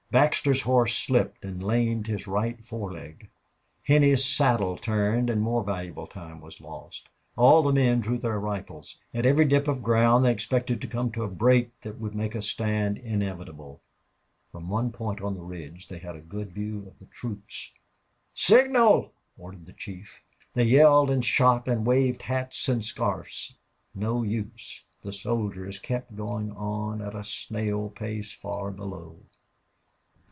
Baxter's horse slipped and lamed his right fore leg. Henney's saddle turned, and more valuable time was lost. All the men drew their rifles. At every dip of ground they expected to come to a break that would make a stand inevitable. From one point on the ridge they had a good view of the troops. "Signal!" ordered the chief. They yelled and shot and waved hats and scarfs. No use the soldiers kept moving on at a snail pace far below.